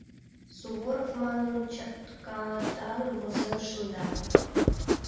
Суворов» манын, чаткатан возен шында.